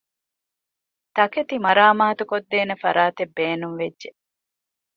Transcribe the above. ތަކެތި މަރާމާތުކޮށްދޭނެ ފަރާތެއް ބޭނުންވެއްޖެ